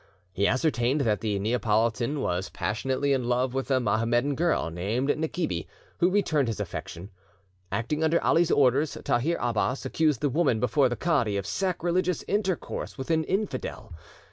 He ascertained that the Neapolitan was passionately in love with a Mohammedan girl named Nekibi, who returned his affection. Acting under Ali's orders, Tahir Abbas accused the woman before the cadi of sacrilegious intercourse with an infidel.